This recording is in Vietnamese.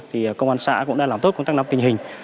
thì công an xã cũng đã làm tốt công tác nắm tình hình